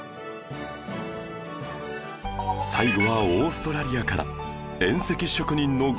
最後はオーストラリアから